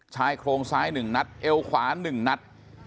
ชายโครงซ้ายหนึ่งนัดเอวขวาหนึ่งนัด